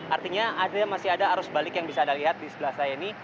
artinya masih ada arus balik yang bisa anda lihat di sebelah saya ini